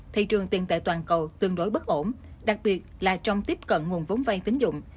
thị trường tiền tệ toàn cầu tương đối bất ổn đặc biệt là trong tiếp cận nguồn vốn vai tín dụng